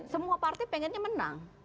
semua parti pengennya menang